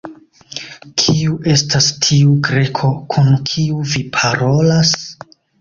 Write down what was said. Kiu estas tiu Greko, kun kiu vi parolas?